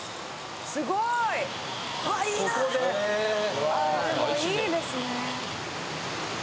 すごい！あでもいいですね。